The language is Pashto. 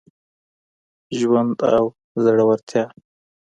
ژوند او زړورتیا